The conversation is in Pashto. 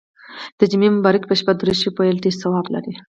د جمعې مبارڪي په شپه درود شریف ویل ډیر ثواب لري.